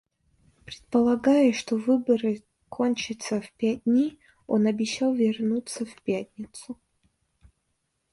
Предполагая, что выборы кончатся в пять дней, он обещал вернуться в пятницу.